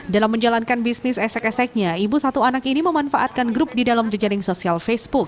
dalam menjalankan bisnis esek eseknya ibu satu anak ini memanfaatkan grup di dalam jejaring sosial facebook